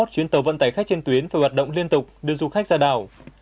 hai mươi chuyến tàu vận tải khách trên tuyến phải hoạt động liên tục đưa du khách ra đảo